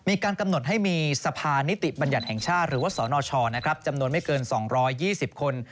มีการกำหนดให้มีสภานิติบัญญัติแห่งชาติหรือว่าสนชจำนวนไม่เกิน๒๒๐คน